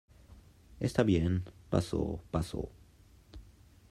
Está bien, paso, paso.